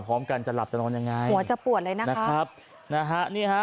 พร้อมกันจะหลับจะนอนยังไงหัวจะปวดเลยนะครับนะฮะนี่ฮะ